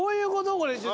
これ。